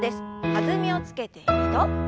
弾みをつけて２度。